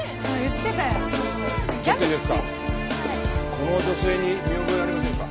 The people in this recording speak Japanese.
この女性に見覚えありませんか？